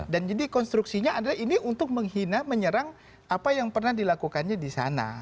dan jadi konstruksinya adalah ini untuk menghina menyerang apa yang pernah dilakukannya di sana